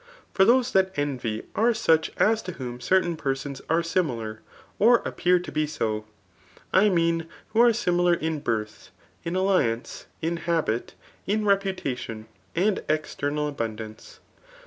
For those that envy are such as to whom certain per sons are similar^ or appear to be so ; I mean, who are similar in birth, in alliance, in habit, in reputation, and external abundance.